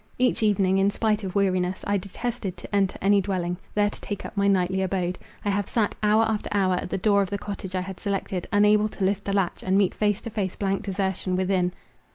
Each evening, in spite of weariness, I detested to enter any dwelling, there to take up my nightly abode—I have sat, hour after hour, at the door of the cottage I had selected, unable to lift the latch, and meet face to face blank desertion within.